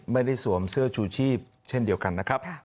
สวมเสื้อชูชีพเช่นเดียวกันนะครับ